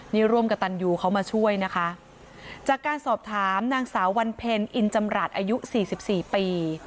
นี่ร่วมกับตันยูเขามาช่วยนะคะจากการสอบถามนางสาววันเพ็ญอินจำรัฐอายุสี่สิบสี่ปี